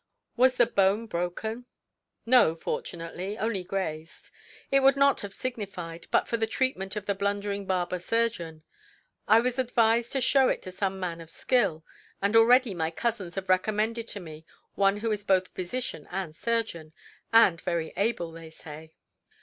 "Was the bone broken?" "No, fortunately; only grazed. It would not have signified, but for the treatment of the blundering barber surgeon. I was advised to show it to some man of skill; and already my cousins have recommended to me one who is both physician and surgeon, and very able, they say."